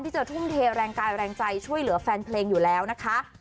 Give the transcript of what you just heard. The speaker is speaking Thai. จะทุ่มเทแรงกายแรงใจช่วยเหลือแฟนเพลงอยู่แล้วนะคะ